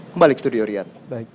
kembali ke studio riyad